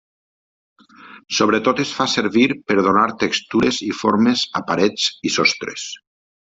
Sobretot es fa servir per donar textures i formes a parets i sostres.